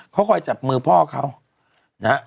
เขาค่อยจับมือพ่อเขา